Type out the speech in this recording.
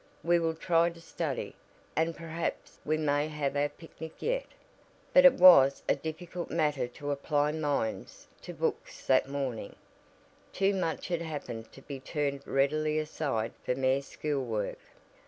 We will try to study, and perhaps we may have our picnic yet." But it was a difficult matter to apply minds to books that morning; too much had happened to be turned readily aside for mere school work.